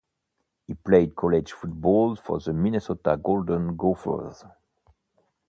He played college football for the Minnesota Golden Gophers.